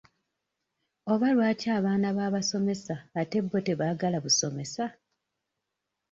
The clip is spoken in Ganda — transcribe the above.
Oba lwaki abaana b'abasomesa ate bo tebaagala busomesa?